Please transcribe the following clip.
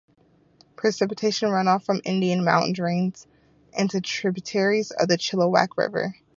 Precipitation runoff from Indian Mountain drains into tributaries of the Chilliwack River.